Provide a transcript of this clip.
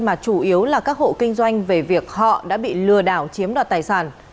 mà chủ yếu là các hộ kinh doanh về việc họ đã bị lừa đảo chiếm đoạt tài sản